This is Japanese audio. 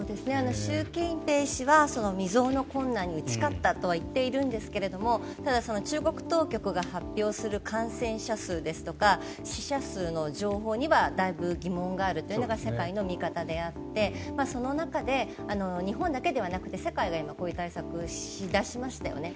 習近平氏は未曽有の困難に打ち勝ったとは言っているんですがただ、中国当局が発表する感染者数ですとか死者数の情報にはだいぶ疑問があるというのが世界の見方であってその中で日本だけではなくて世界が今、こういう対策をし出しましたよね。